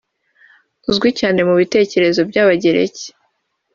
uzwi cyane mu bitekerezo by’Abagereki